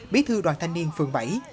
bí thư đoàn thanh niên phường bảy